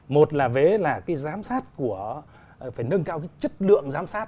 một là vế là cái giám sát của phải nâng cao cái chất lượng giám sát